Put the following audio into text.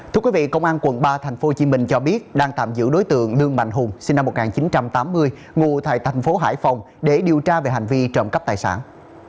thưa quý vị công an quận ba thành phố hồ chí minh cho biết đang tạm giữ đối tượng đương mạnh hùng sinh năm một nghìn chín trăm tám mươi ngụ tại thành phố hải phòng để điều tra về hành vi trận động đất